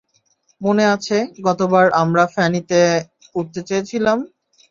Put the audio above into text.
মনে আছে, গতবার আমার ফ্যানিতে উঠতে চেয়েছিলে?